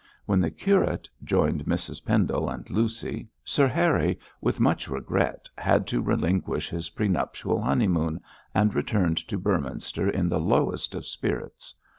When the curate joined Mrs Pendle and Lucy, Sir Harry, with much regret, had to relinquish his pre nuptial honeymoon, and returned to Beorminster in the lowest of spirits.